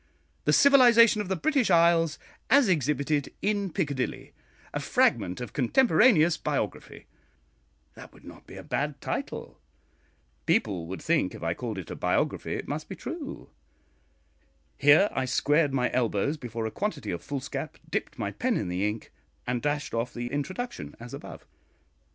'The Civilisation of the British Isles, as exhibited in Piccadilly, a Fragment of Contemporaneous Biography,' that would not be a bad title; people would think, if I called it a biography, it must be true; here I squared my elbows before a quantity of foolscap, dipped my pen in the ink, and dashed off the introduction as above.